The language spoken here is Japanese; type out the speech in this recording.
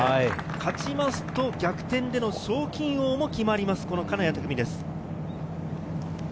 勝ちますと逆転での賞金王も決まります、金谷拓実です。